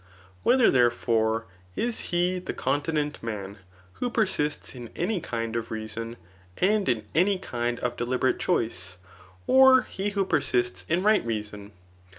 Wh£THer, therefore, is he the continent man, who per sists in any kind of reason, and in any kind of deliberate choice, or he who persists in right reason